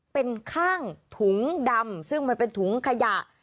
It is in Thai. เป็นข้างถุงดำซึ่งมันเป็นถุงขยะ